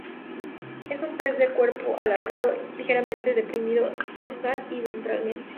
Es un pez de cuerpo alargado, ligeramente deprimido dorsal y ventralmente.